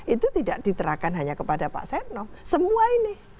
itu tidak diterakan hanya kepada pak setia novanto